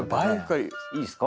いいですか？